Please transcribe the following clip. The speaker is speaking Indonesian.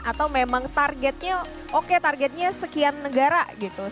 atau memang targetnya oke targetnya sekian negara gitu